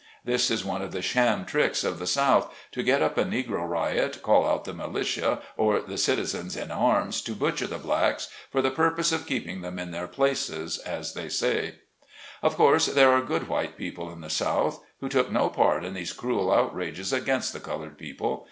This is one of the sham tricks of the South, to get up a Negro riot, call out the IN A VIRGINIA PULPIT. 71 militia or the citizens in arms to butcher the blacks, for the purpose of keeping them in their places, as they say. Of course there are good white people in the South, who took no part in these cruel outrages against the colored people.